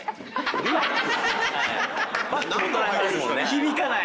・響かない！